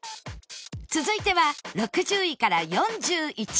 続いては６０位から４１位